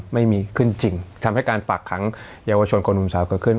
ไม่มีขึ้นจริงทำให้การฝากขังเยาวชนคนหนุ่มสาวเกิดขึ้น